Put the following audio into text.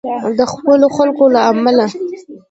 د خپلو خلکو له امله.